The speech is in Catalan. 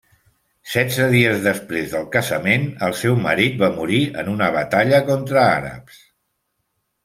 Setze dies després del casament, el seu marit va morir en una batalla contra àrabs.